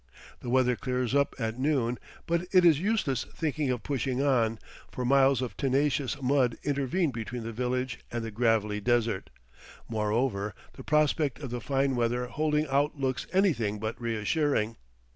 The weather clears up at noon, but it is useless thinking of pushing on, for miles of tenacious mud intervene between the village and the gravelly desert; moreover, the prospect of the fine weather holding out looks anything but reassuring.